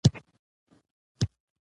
فقیر پرې ماتیږي.